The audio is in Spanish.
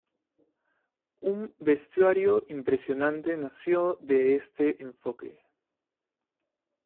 Un bestiario impresionante nació de este enfoque.